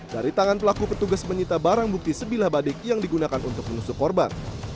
dari tangan pelaku petugas menyita barang bukti sebilah badik yang digunakan untuk menusuk korban